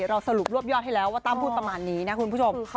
เราสรุปรวบยอดให้แล้วว่าตั้มพูดประมาณนี้นะคุณผู้ชม